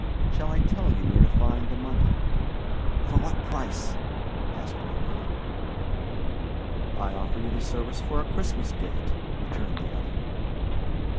Shall I tell you where to find the money?" "For what price?" asked Markheim. "I offer you the service for a Christmas gift," returned the other.